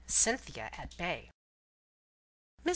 CYNTHIA AT BAY. Mrs.